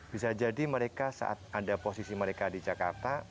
bisa jadi mereka saat ada posisi mereka di jakarta